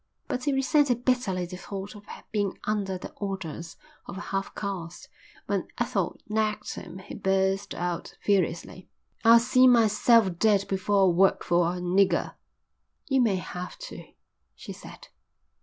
But he resented bitterly the thought of being under the orders of a half caste. When Ethel nagged him he burst out furiously: "I'll see myself dead before I work for a nigger." "You may have to," she said.